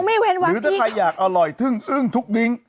เว้นวันหรือถ้าใครอยากอร่อยทึ่งอึ้งทุกดิ้ง